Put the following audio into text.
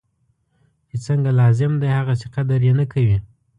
چی څنګه لازم دی هغسې قدر یې نه کوي.